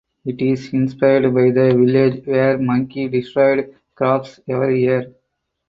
It is inspired by the village where monkey destroyed crops every year.